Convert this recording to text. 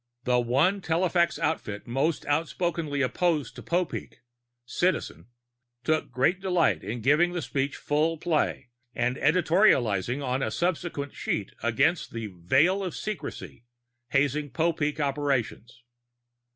The one telefax outfit most outspokenly opposed to Popeek, Citizen, took great delight in giving the speech full play, and editorializing on a subsequent sheet against the "veil of security" hazing Popeek operations.